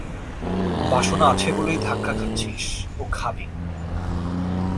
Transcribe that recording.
বাসনা আছে বলেই ধাক্কা খাচ্ছিস ও খাবি।